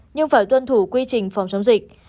nhưng phải tuân thủ quy trình phòng chống dịch